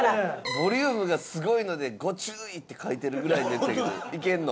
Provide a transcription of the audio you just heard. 「ボリュームがすごいのでご注意！」って書いてるぐらいのやつやけどいけるの？